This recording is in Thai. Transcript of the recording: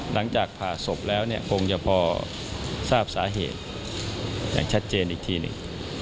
หลังจากผ่าศพแล้วเนี่ยคงจะพอทราบสาเหตุอย่างชัดเจนอีกทีหนึ่ง